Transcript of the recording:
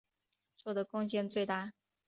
做的贡献最大。